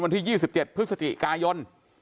วันที่๒๗พฤศจิกายน